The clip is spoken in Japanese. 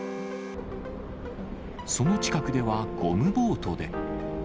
その近くでは、ゴムボートで。